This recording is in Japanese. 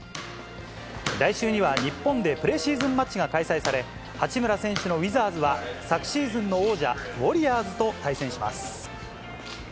来週には日本でプレシーズンマッチが開催され、八村選手のウィザーズは、昨シーズンの王者、ウォリアーズと対戦します。